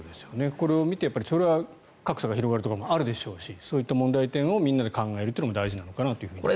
これを見て、それは格差が広がるとかもあるでしょうしそういった問題点をみんなで考えるというのも大事なのかなって。